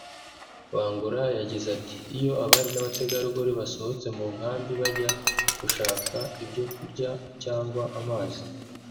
Bangura yagize ati“Iyo abari n’abategarugori basohotse mu nkambi bajya gushaka ibyo kurya cyangwa amazi